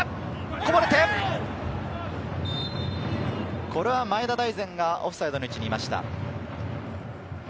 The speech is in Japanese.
こぼれて、これは前田大然がオフサイドの位置にいました。